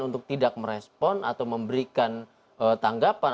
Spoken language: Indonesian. untuk tidak merespon atau memberikan tanggapan